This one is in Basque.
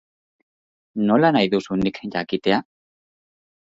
Nola nahi duzu nik jakitea?